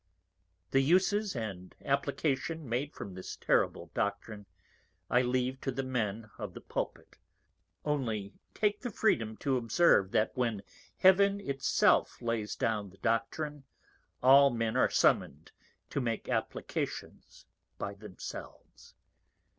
_ _The Uses and Application made from this Terrible Doctrine, I leave to the Men of the Pulpit; only take the freedom to observe, that when Heaven it self lays down the Doctrine, all Men are summon'd to make Applications by themselves.